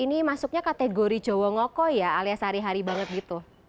ini masuknya kategori jawa ngoko ya alias hari hari banget gitu